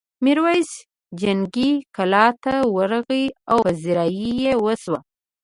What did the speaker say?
میرويس جنګي کلا ته ورغی او پذيرايي یې وشوه.